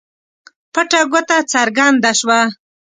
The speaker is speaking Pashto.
پټه ګوته څرګنده شوه.